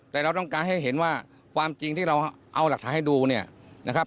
แต่เราต้องการให้เห็นว่าความจริงที่เราเอาหลักฐานให้ดูเนี่ยนะครับ